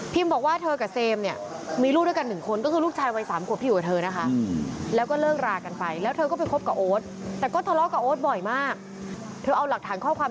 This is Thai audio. พิมบอกว่าเธอกับเซมเนี่ยมีลูกด้วยกัน๑คนก็คือลูกชายวัย๓ขวบที่อยู่กับเธอนะคะ